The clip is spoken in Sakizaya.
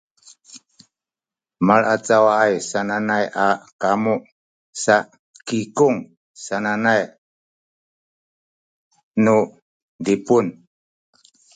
malaacawa sananay a kamu sa “kikung” sananay nu Zipun